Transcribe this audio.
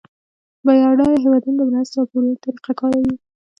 بډایه هیوادونه د مرستو او پورونو طریقه کاروي